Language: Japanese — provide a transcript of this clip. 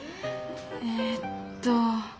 えっと。